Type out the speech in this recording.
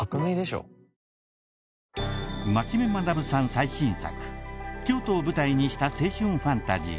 最新作京都を舞台にした青春ファンタジー